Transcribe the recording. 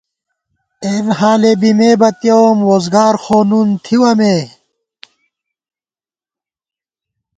اېنحالےبی مے بتیَوُم، ووزگار خو نُن تھِوَہ مے